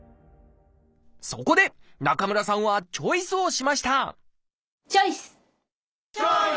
そこで中村さんはチョイスをしましたチョイス！